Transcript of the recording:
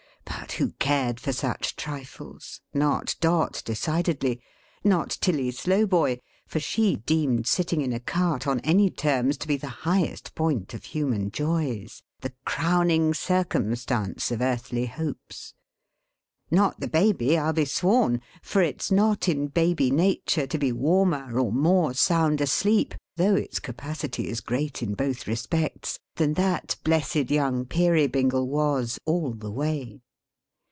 But who cared for such trifles? Not Dot, decidedly. Not Tilly Slowboy, for she deemed sitting in a cart, on any terms, to be the highest point of human joys; the crowning circumstance of earthly hopes. Not the Baby, I'll be sworn; for it's not in Baby nature to be warmer or more sound asleep, though its capacity is great in both respects, than that blessed young Peerybingle was, all the way.